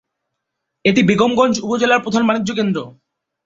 এটি বেগমগঞ্জ উপজেলার প্রধান বাণিজ্য কেন্দ্র।